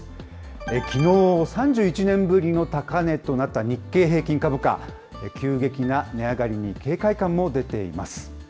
きのう、３１年ぶりの高値となった日経平均株価、急激な値上がりに警戒感も出ています。